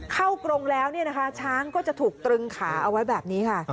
เข้ากรงแล้วช้างก็จะถูกตรึงขาเอาไว้แบบนี้ค่ะ